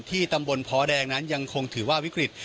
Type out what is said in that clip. ตำบลพ้อแดงนั้นยังคงถือว่าวิกฤต